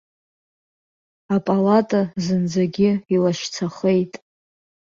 Апалата зынӡагьы илашьцахеит.